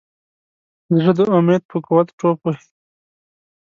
زړه د امید په قوت ټوپ وهي.